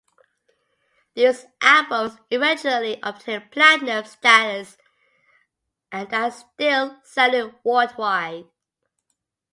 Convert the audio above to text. These albums eventually obtained platinum status and are still selling worldwide.